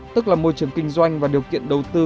tức là môi trường kinh doanh và điều kiện đầu tư